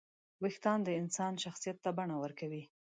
وېښتيان د انسان شخصیت ته بڼه ورکوي.